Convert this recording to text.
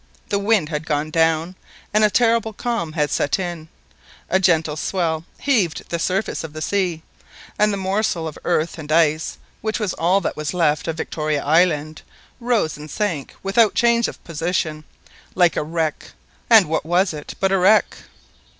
The wind had gone down, and a terrible calm had set in, a gentle swell heaved the surface of the sea, and the morsel of earth and ice, which was all that was left of Victoria Island, rose and sank without change of position, like a wreck—and what was it but a wreck?